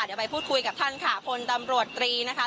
เดี๋ยวไปพูดคุยกับท่านค่ะพลตำรวจตรีนะคะ